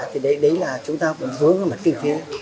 thì đấy là chúng ta cũng hướng vào mặt kinh phí